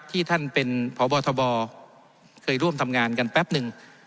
ที่ท่านเป็นพบทบเคยร่วมทำงานกันแป๊บหนึ่ง